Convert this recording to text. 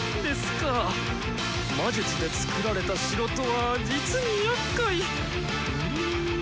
「魔術」でつくられた城とは実にやっかいウーム。